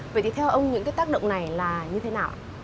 vậy thì theo ông những cái tác động này là như thế nào